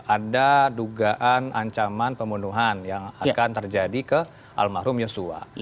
ada dugaan ancaman pembunuhan yang akan terjadi ke almarhum yosua